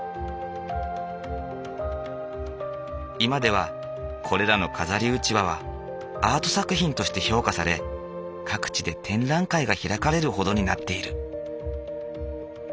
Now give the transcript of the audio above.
今ではこれらの飾りうちわはアート作品として評価され各地で展覧会が開かれるほどになっている。